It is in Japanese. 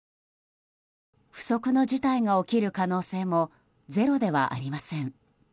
不測の事態が起きる可能性もゼロではありません。